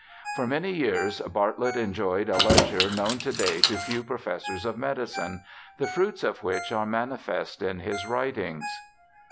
For many years Bartlett enjoyed a leisure known to day to few professors of medicine, the fruits of which are manifest in his writings.